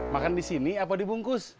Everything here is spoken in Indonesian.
makan disini apa dibungkus